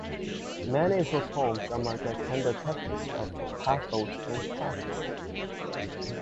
Many of her poems are marked by tender touches of pathos and passion.